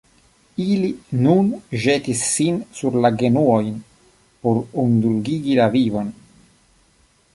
Ili nun ĵetis sin sur la genuojn por indulgigi la vivon.